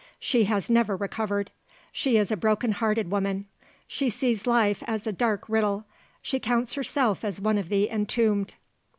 She has never recovered. She is a broken hearted woman. She sees life as a dark riddle. She counts herself as one of the entombed."